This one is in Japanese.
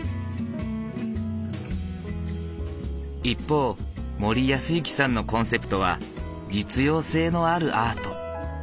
一方森泰之さんのコンセプトは「実用性のあるアート」。